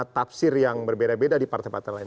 tafsir yang berbeda beda di partai partai lain